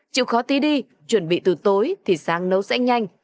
chịu khó tí đi chuẩn bị từ tối thì sáng nấu sẽ nhanh